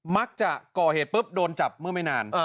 มักจะก่อเหตุปุ๊บโดนจับเมื่อไม่นาน